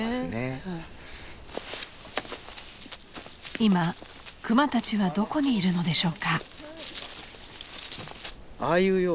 ［今クマたちはどこにいるのでしょうか？］